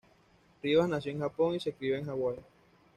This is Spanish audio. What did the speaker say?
Rivas nació en Japón y se crio en Hawaii.